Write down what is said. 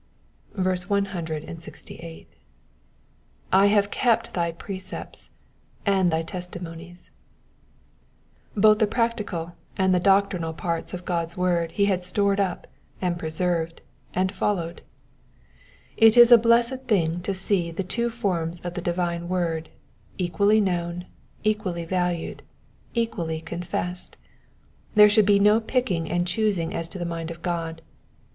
168. / have kept thy precepts aiid thy testimonies^ Both the practical and the doctrinal parts of God's word he had stored up, and preserved, and followed. It is a blessed thing to see the two forms of the divine word, equally known, equally valued, equally confessed : there should be no pick ing and choosing as to the mind of God.